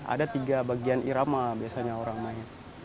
ada tiga bagian irama biasanya orang naik